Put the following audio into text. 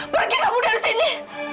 pergi kamu dari sini